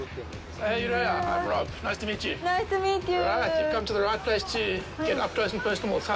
ナイス・トゥ・ミーチュー。